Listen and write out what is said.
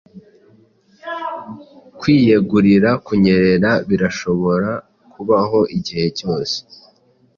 Kwiyegurira kunyerera birashobora kubaho igihe cyose.